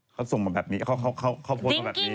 เขาส่งมาแบบนี้เขาโพสต์มาแบบนี้